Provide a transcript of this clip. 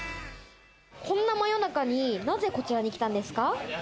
こんな真夜中になぜこちらに来たんですか？